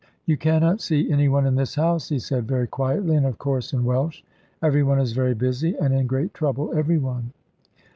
"You cannot see any one in this house," he said very quietly, and of course in Welsh; "every one is very busy, and in great trouble every one."